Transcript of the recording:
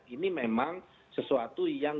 ini memang sesuatu yang